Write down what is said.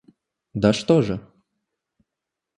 Да что же!